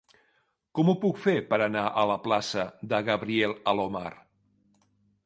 Com ho puc fer per anar a la plaça de Gabriel Alomar?